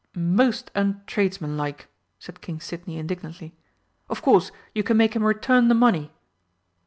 "Most untradesmanlike!" said King Sidney indignantly. "Of course you can make him return the money!